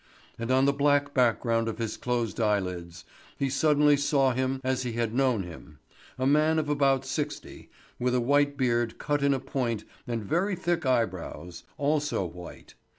And on the black background of his closed eyelids, he suddenly saw him as he had known him: a man of about sixty, with a white beard cut in a point and very thick eyebrows, also white.